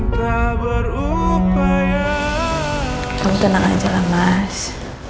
kamu tenang aja lah mas